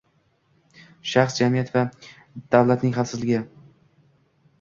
shaxs, jamiyat va davlatning xavfsizligi.